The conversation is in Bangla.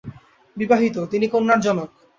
বিবাহিত, তিনি কন্যার জনক।